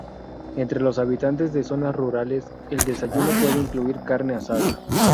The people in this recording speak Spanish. Entre los habitantes de zonas rurales el desayuno puede incluir carne asada.